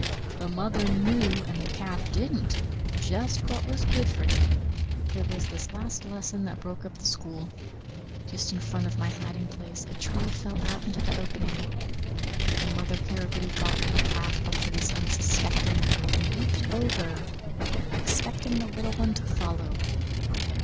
The mother knew, and the calf didn't, just what was good for him. It was this last lesson that broke up the school. Just in front of my hiding place a tree fell out into the opening. A mother caribou brought her calf up to this unsuspectingly, and leaped over, expecting the little one to follow.